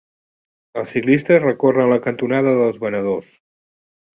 Els ciclistes recorren la cantonada dels venedors.